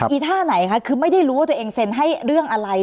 อีท่าไหนคะคือไม่ได้รู้ว่าตัวเองเซ็นให้เรื่องอะไร